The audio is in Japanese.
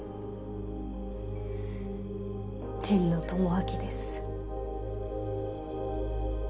神野智明です。